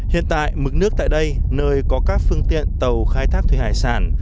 hiện tại mức nước tại đây nơi có các phương tiện tàu khai thác thuê hải sản